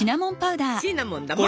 シナモンだもん！